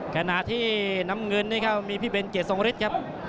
ขณะที่น้ำเงินนี่ครับมีพี่เบนเกียรติทรงฤทธิ์ครับ